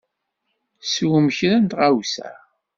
Swem kra n tɣawsa.